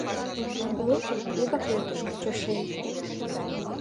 Лекмеке, вигак ӧрдыжкӧ чошен.